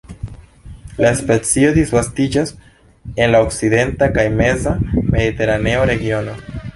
La specio disvastiĝas en la okcidenta kaj meza mediteraneo regiono.